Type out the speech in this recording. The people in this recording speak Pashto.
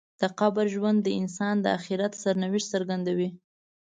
د قبر ژوند د انسان د آخرت سرنوشت څرګندوي.